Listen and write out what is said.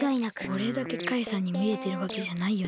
おれだけカイさんにみえてるわけじゃないよね？